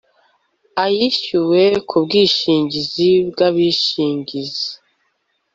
Ayishyuwe ku bwishingizi bw abishingizi